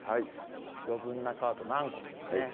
余分な皮と軟骨ですね